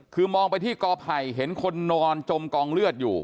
คือมองไปที่กอไผ่เห็นคนนอนจมกองเลือดอยู่